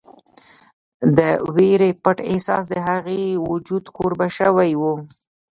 د وېرې پټ احساس د هغې وجود کوربه شوی و